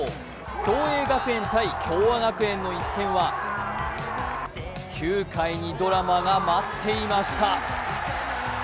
共栄学園×東亜学園の一戦は９回にドラマが待っていました。